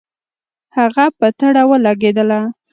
هغه په تړه ولګېدله.